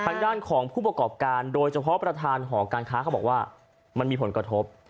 ทางด้านของผู้ประกอบการโดยเฉพาะประธานหอการค้าเขาบอกว่ามันมีผลกระทบ